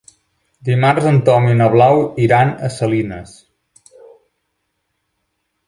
Dimarts en Tom i na Blau iran a Salines.